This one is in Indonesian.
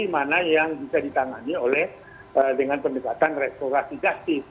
mana yang bisa ditangani oleh dengan pendekatan restoratif